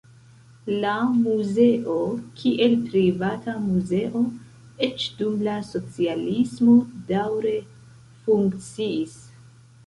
La muzeo, kiel privata muzeo, eĉ dum la socialismo daŭre funkciis.